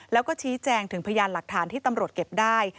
แล้วก็ชี้แจงถึงพยานหลักฐานที่ตำรวจเก็บได้